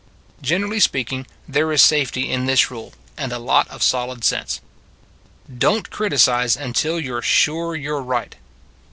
Generally speaking, there is safety in this rule, and a lot of solid sense : Don t criticize until you re sure you re right.